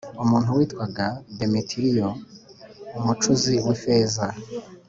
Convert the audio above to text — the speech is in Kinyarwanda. Umuntu witwaga Demetiriyo umucuzi w ifeza